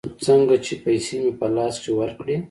خو څنگه چې پيسې مې په لاس کښې ورکړې.